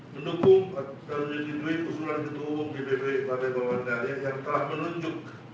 menukung atau menyetujui usulan ketua umum dpp partai golongan karya yang telah menunjuk